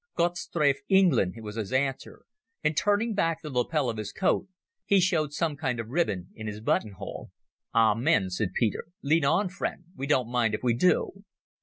"Gott strafe England!" was his answer, and, turning back the lapel of his coat, he showed some kind of ribbon in his buttonhole. "Amen," said Peter. "Lead on, friend. We don't mind if we do."